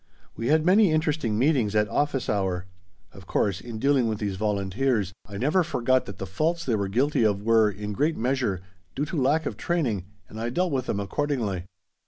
We had many interesting meetings at "office hour." Of course, in dealing with these volunteers, I never forgot that the faults they were guilty of were, in great measure, due to lack of training, and I dealt with them accordingly.